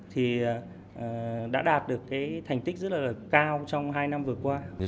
thì đã đạt được cái thành tích rất là cao trong hai năm vừa qua